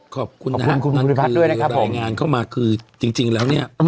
ขอบคุณนะครับนั่นคือรายงานเข้ามาคือจริงแล้วนี่